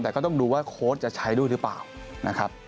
แต่ก็ต้องดูว่าโค้ชจะใช้ด้วยหรือเปล่านะครับ